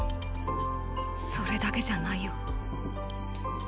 それだけじゃないよ。